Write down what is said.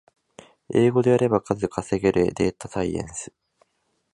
英語でやれば数稼げるデータサイエンス